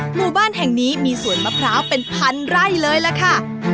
หมู่บ้านแห่งนี้มีสวนมะพร้าวเป็นพันไร่เลยล่ะค่ะ